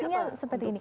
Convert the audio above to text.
artinya seperti ini